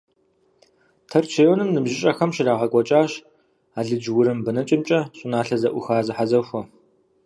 Тэрч районым ныбжьыщӀэхэм щрагъэкӀуэкӀащ алыдж-урым бэнэкӀэмкӀэ щӀыналъэ зэӀуха зэхьэзэхуэ.